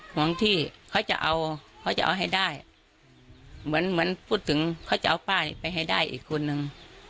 ห่วงที่เขาจะเอาเขาจะเอาให้ได้เหมือนเหมือนพูดถึงเขาจะเอาป้านี้ไปให้ได้อีกคนนึง